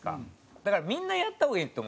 だからみんなやった方がいいと思うんですよ